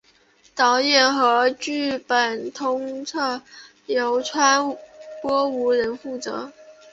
导演和剧本统筹由川波无人负责。